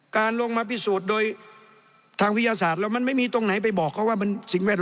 ๓๖๙การลงมาพิสูจน์โดยทางวิทยาศาสตร์แล้วมันไม่มีตรงไหนไปบอกเขาว่า